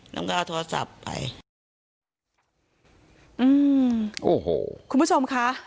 แล้วก็เอาโทรศัพท์ไปอืมโอ้โหคุณผู้ชมค่ะ